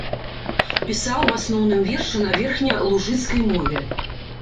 Пісаў у асноўным вершы на верхнялужыцкай мове.